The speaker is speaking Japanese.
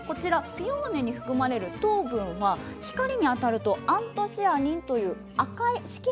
ピオーネに含まれる糖分は光に当たるとアントシアニンという赤い色素に変わるんですね。